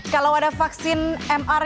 kalau ada vaksin mr